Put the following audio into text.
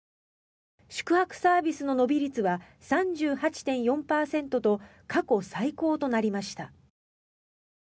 宿泊サービスの伸び率は３８．４％と過去最高となりました。